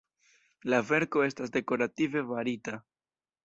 La verko estas dekorative barita.